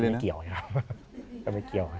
พวกมันไม่เกี่ยวไงครับมันไม่เกี่ยว